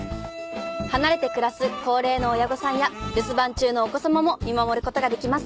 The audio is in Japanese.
離れて暮らす高齢の親御さんや留守番中のお子様も見守る事ができます。